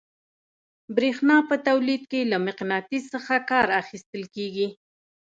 برېښنا په تولید کې له مقناطیس څخه کار اخیستل کیږي.